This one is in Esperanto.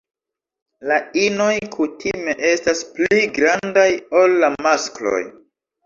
La inoj kutime estas pli grandaj ol la maskloj.